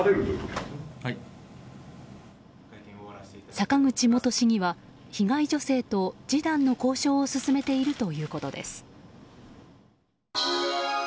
坂口元市議は被害女性と示談の交渉を進めているということです。